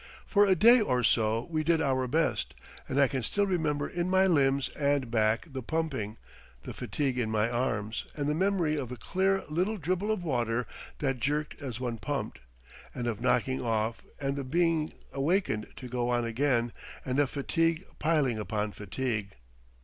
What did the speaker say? For a day or so we did our best, and I can still remember in my limbs and back the pumping—the fatigue in my arms and the memory of a clear little dribble of water that jerked as one pumped, and of knocking off and the being awakened to go on again, and of fatigue piling up upon fatigue.